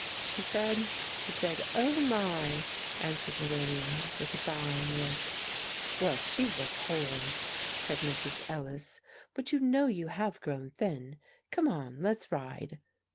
"She said she said, 'Oh my!'" answered Lorania, with a dying look. "Well, she was horrid," said Mrs. Ellis; "but you know you have grown thin. Come on; let's ride!"